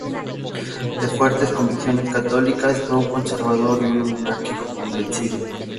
De fuertes convicciones católicas, fue un conservador y un monárquico convencido.